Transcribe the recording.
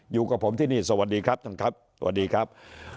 อยู่กับผมที่นี่สวัสดีครับท่านครับสวัสดีครับ